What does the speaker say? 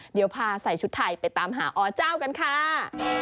เดี๋ยวพาใส่ชุดไทยไปตามหาอเจ้ากันค่ะ